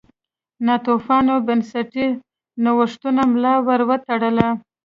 ناتوفیانو بنسټي نوښتونو ملا ور وتړله.